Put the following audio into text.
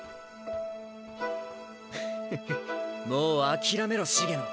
フフフもう諦めろ茂野。